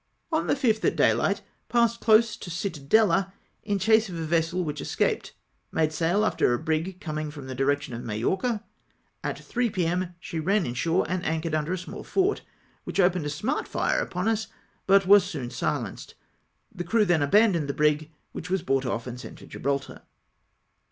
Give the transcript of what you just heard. On the 5th at daylight, passed close to Cittadella in chase of a vessel whicli escaped ; made sail after a brig coming from the direction of Majorca ; at 3 p.m. B 3 246 CAPTURE OF SPANISH WINE. she ran in shore, and anchored nnder a small fort, which opened a smart fire upon us, but was soon silenced. The crew then abandoned the brig, which was brought off and sent to Gibraltar.